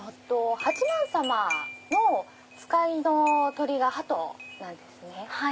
八幡さまの使いの鳥が鳩なんですね。